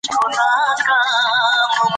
ټولنپوهنه د هنر ټولنیز رول څېړي.